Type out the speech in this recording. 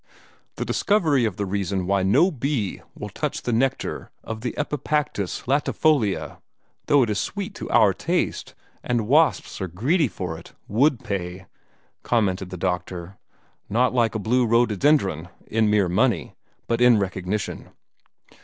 "The discovery of the reason why no bee will touch the nectar of the EPIPACTIS LATIFOLIA, though it is sweet to our taste, and wasps are greedy for it, WOULD pay," commented the doctor. "Not like a blue rhododendron, in mere money, but in recognition.